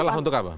celah untuk apa